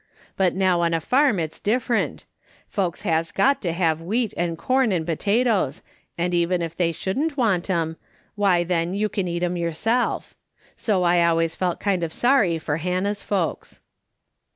But now on a farm it's different ; folks has got to have wheat, and corn, and potatoes, and even if they shouldn't want 'em, why then you can eat 'em yourself. So I always felt kind of sorry for Hannah's folks.